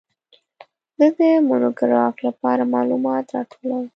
زه د مونوګراف لپاره معلومات راټولوم.